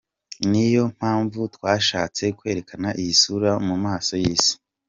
Niyo mpamvu twashatse kwerekana iyi sura mu maso y’Isi”.